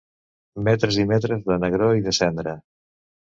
Metres i metres de negror i de cendra.